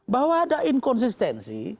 bahwa ada inkonsistensi